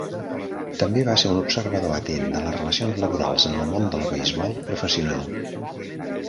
També va ser un observador atent de les relacions laborals en el món del beisbol professional.